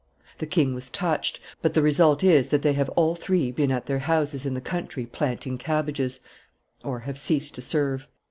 The king was touched; but the result is, that they have all three been at their houses in the country planting cabbages (have ceased to serve)."